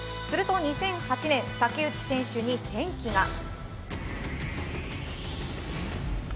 すると２００８年、竹内選手に転機が。